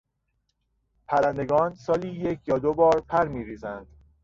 پرندگان سالی یک یا دو بار پر میریزند.